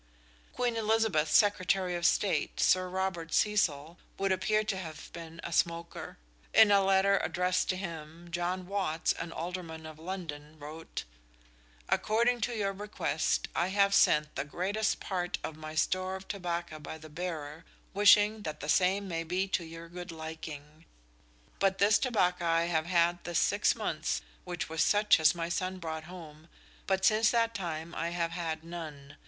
Queen Elizabeth's Secretary of State, Sir Robert Cecil, would appear to have been a smoker. In a letter addressed to him, John Watts, an alderman of London, wrote: "According to your request, I have sent the greatest part of my store of tobaca by the bearer, wishing that the same may be to your good liking. But this tobaca I have had this six months, which was such as my son brought home, but since that time I have had none.